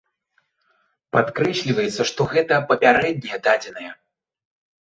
Падкрэсліваецца, што гэта папярэднія дадзеныя.